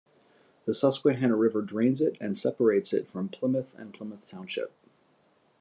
The Susquehanna River drains it and separates it from Plymouth and Plymouth Township.